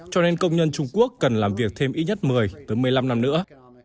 cho nên công nhân trung quốc cần làm việc thêm ít nhất một mươi một mươi năm năm nữa